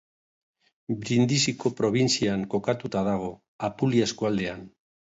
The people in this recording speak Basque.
Brindisiko probintzian kokatuta dago, Apulia eskualdean.